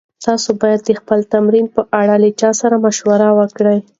تاسي باید د خپل تمرین په اړه له چا سره مشوره وکړئ.